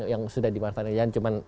yang sudah dimanfaatkan cuma